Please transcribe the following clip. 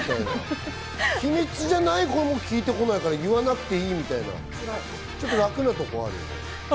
秘密じゃないことも聞いてこないから言わなくていいみたいな、ちょっと楽なことあるよね。